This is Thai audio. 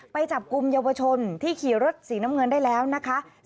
ไปจับกลุ่มเยาวชนที่ขี่รถสีน้ำเงินได้แล้วนะคะ